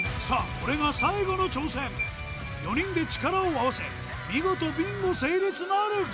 これが最後の挑戦４人で力を合わせ見事ビンゴ成立なるか？